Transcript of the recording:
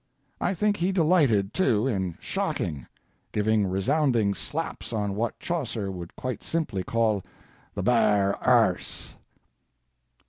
I think he delighted, too, in shocking giving resounding slaps on what Chaucer would quite simply call 'the bare erse.'"